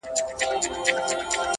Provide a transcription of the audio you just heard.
د بېلګي په توګه